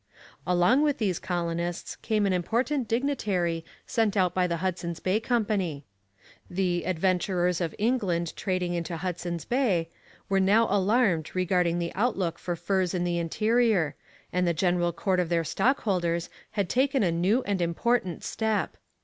Along with these colonists came an important dignitary sent out by the Hudson's Bay Company. The 'Adventurers of England trading into Hudson's Bay' were now alarmed regarding the outlook for furs in the interior, and the general court of their stockholders had taken a new and important step.